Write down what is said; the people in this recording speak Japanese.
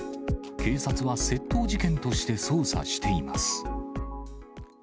警察は窃盗事件として捜査しています。